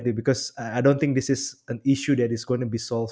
mungkin pada suatu saat kita berbicara